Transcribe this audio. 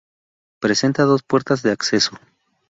Presenta dos puertas de acceso.